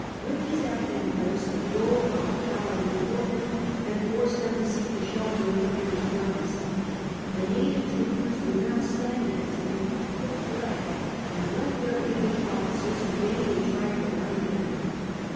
With bis Afghan horse he drove our cavalry before him, and forced them to seek the shelter of the British guns. The native troopers would not stand against him : they fled and left their English officers, who vainly tried to rally them.